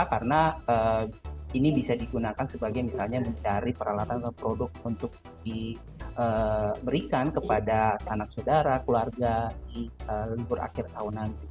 karena ini bisa digunakan sebagai misalnya mencari peralatan atau produk untuk diberikan kepada anak saudara keluarga di lingkungan akhir tahun nanti